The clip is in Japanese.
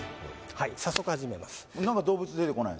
はい早速始めます